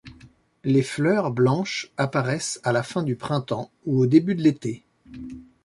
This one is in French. Les fleurs, blanches, apparaissent à la fin du printemps ou au début de l'été.